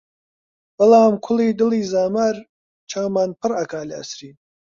بەڵام کوڵی دڵی زامار، چاومان پڕ ئەکا لە ئەسرین!